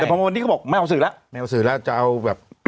แต่พอวันนี้เขาบอกไม่เอาสื่อแล้วไม่เอาสื่อแล้วจะเอาแบบ